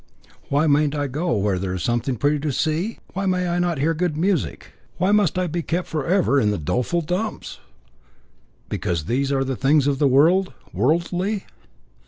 "Why mayn't I go where there is something pretty to see? Why may I not hear good music? Why must I be kept forever in the Doleful Dumps?" "Because all these things are of the world, worldly."